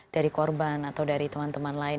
dari korban atau dari teman teman lain